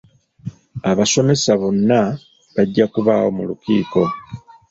Abasomesa bonna bajja kubaawo mu lukiiko.